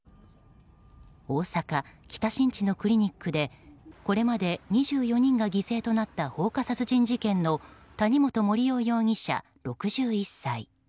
大阪・北新地のクリニックでこれまで２４人が犠牲となった放火殺人事件の谷本盛雄容疑者、６１歳。